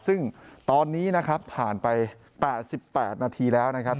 ซึ่งตอนนี้นะครับผ่านไป๘๘นาทีแล้วนะครับ